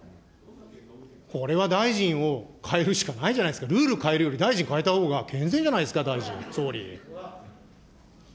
これは大臣を代えるしかないじゃないですか、ルール変えるより、大臣代えたほうが健全じゃないですか、大臣、総理。